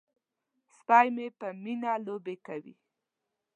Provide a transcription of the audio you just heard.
سپی مې په مینه لوبې کوي.